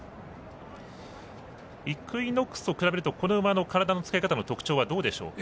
イクイノックスと比べるとこの馬の体の使い方の特徴はどうでしょうか。